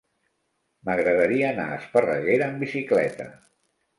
M'agradaria anar a Esparreguera amb bicicleta.